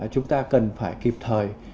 chúng ta cần phải kịp thời